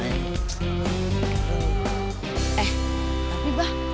eh tapi bah